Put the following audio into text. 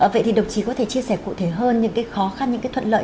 vậy thì đồng chí có thể chia sẻ cụ thể hơn những cái khó khăn những cái thuận lợi